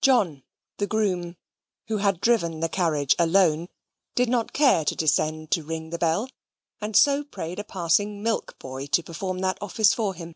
John, the groom, who had driven the carriage alone, did not care to descend to ring the bell; and so prayed a passing milk boy to perform that office for him.